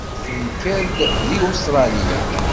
Tenker-d deg Ustṛalya.